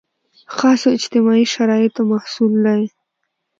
خاصو اجتماعي شرایطو محصول دی.